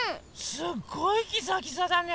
すっごいギザギザだね。